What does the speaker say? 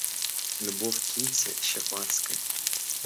Любовь к Кити Щербацкой.